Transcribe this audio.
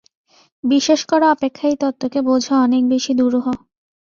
বিশ্বাস করা অপেক্ষা এই তত্ত্বকে বোঝা অনেক বেশী দুরূহ।